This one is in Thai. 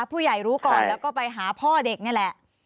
ผู้ใหญ่รู้ก่อนแล้วก็ไปหาพ่อเด็กนี่แหละ